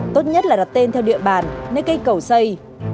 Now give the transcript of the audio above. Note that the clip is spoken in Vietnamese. tốt nhất là đặt tên theo địa bàn nơi cây cầu xây